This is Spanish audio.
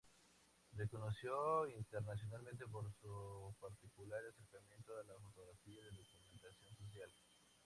Reconocido internacionalmente por su particular acercamiento a la fotografía de documentación social.